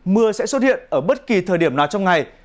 mưa sẽ xuất hiện ở bất kỳ thời điểm nào trong ngày